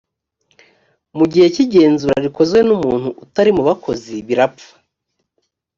mu gihe cy ‘igenzura rikozwe n’umuntu utari mubakozi birapfa.